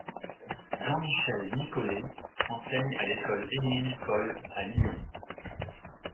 Jean-Michel Nicollet enseigne à l'École Émile-Cohl à Lyon.